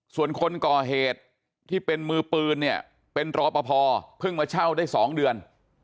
ส่วนคนก่อเหตุที่เป็นมือปืนเนี่ยเป็นรอปภเพิ่งมาเช่าได้๒เดือน